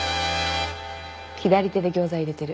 左手で餃子入れてる。